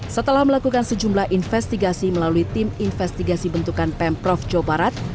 setelah melakukan sejumlah investigasi melalui tim investigasi bentukan pemprov jawa barat